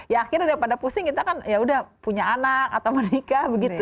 ya akhirnya daripada pusing kita kan yaudah punya anak atau menikah begitu